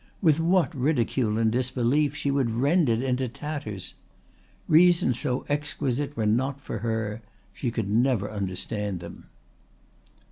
With what ridicule and disbelief she would rend it into tatters! Reasons so exquisite were not for her. She could never understand them.